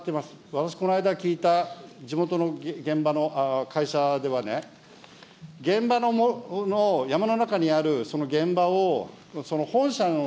私、この間、聞いた地元の現場の会社ではね、現場の山の中にあるその現場を、本社の、